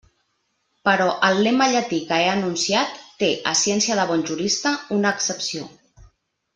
Però el lema llatí que he enunciat té, a ciència de bon jurista, una excepció.